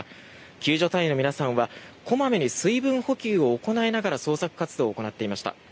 救助隊員の皆さんはこまめに水分補給を行いながら捜索活動を行っていました。